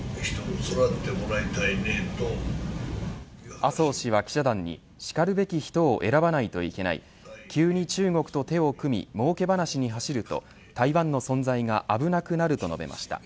麻生氏は記者団にしかるべき人を選ばないといけない急に中国と手を組みもうけ話に走ると台湾の存在が危なくなると述べました。